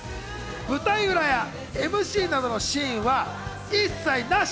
舞台裏やＭＣなどのシーンは一切なし。